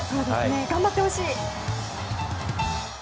頑張ってほしい！